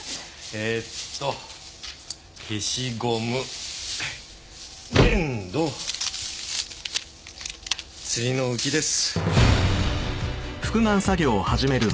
えっと消しゴム粘土釣りのウキです。